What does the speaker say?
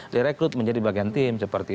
di rekrut menjadi bagian tim seperti